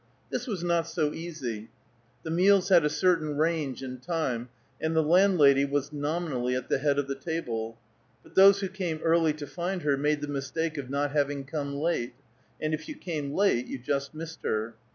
This was not so easy; the meals had a certain range in time, and the landlady was nominally at the head of the table; but those who came early to find her made the mistake of not having come late, and if you came late you just missed her.